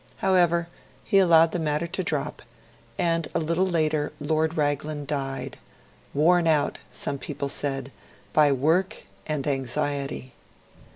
However, he allowed the matter to drop; and a little later Lord Raglan died worn out, some people said, by work and anxiety.